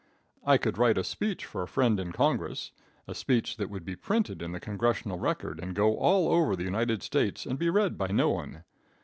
I could write a speech for a friend in congress a speech that would be printed in the Congressional Record and go all over the United States and be read by no one.